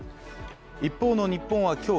一方の日本は今日